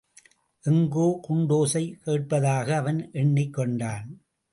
எங்கோ குண்டோசை கேட்பதாக அவன் எண்னிக் கொண்டான்.